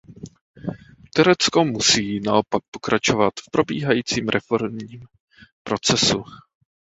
Turecko musí naopak pokračovat v probíhajícím reformním procesu.